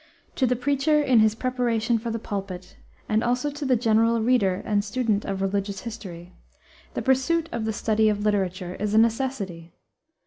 To the preacher in his preparation for the pulpit, and also to the general reader and student of religious history, the pursuit of the study of literature is a necessity.